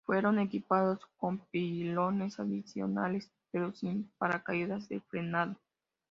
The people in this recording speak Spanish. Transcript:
Fueron equipados con pilones adicionales pero, sin paracaídas de frenado.